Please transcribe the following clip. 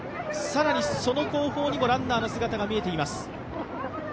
更に、その後方にもランナーの姿が見えています。